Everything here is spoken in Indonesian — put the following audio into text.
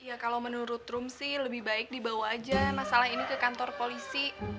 ya kalau menurut rumsi lebih baik dibawa aja masalah ini ke kantor polisi